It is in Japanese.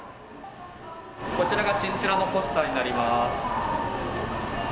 こちらがチンチラのポスターになります。